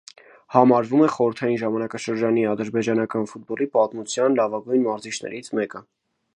Համարվում է խորհրդային ժամանակաշրջանի ադրբեջանական ֆուտբոլի պատմության լավագույն մարզիչներից մեկը։